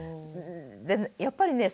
でやっぱりね